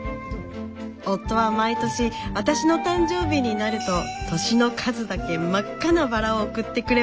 夫は毎年私の誕生日になると歳の数だけ真っ赤なバラを贈ってくれました。